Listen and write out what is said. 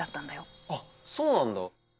あっそうなんだ！